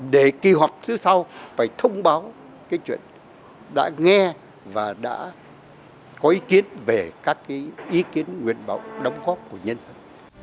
để kỳ họp thứ sau phải thông báo cái chuyện đã nghe và đã có ý kiến về các cái ý kiến nguyện vọng đóng góp của nhân dân